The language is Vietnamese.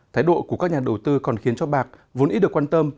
thái độ của các nhà đầu tư còn khiến cho bạc vốn ít được quan tâm